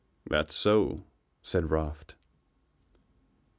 "That's so," said Raft.